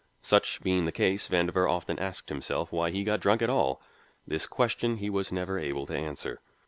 Such being the case, Vandover often asked himself why he got drunk at all. This question he was never able to answer.